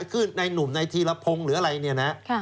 คือในหนุ่มในธีรพงศ์หรืออะไรเนี่ยนะ